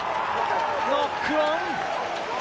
ノックオン。